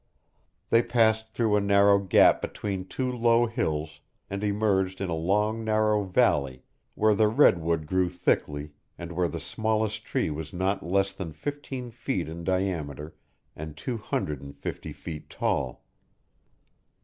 They passed through a narrow gap between two low hills and emerged in a long narrow valley where the redwood grew thickly and where the smallest tree was not less than fifteen feet in diameter and two hundred and fifty feet tall.